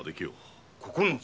「九つ」。